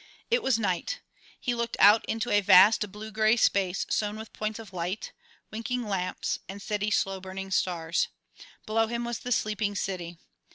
It was night. He looked out into a vast blue gray space sown with points of light, winking lamps, and steady slow burning stars. Below him was the sleeping city.